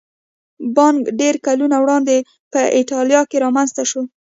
بانک ډېر کلونه وړاندې په ایټالیا کې رامنځته شو